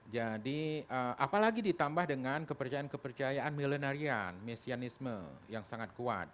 jadi apalagi ditambah dengan kepercayaan kepercayaan milenarian mesianisme yang sangat kuat